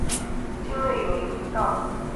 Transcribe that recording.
境内有阴平道。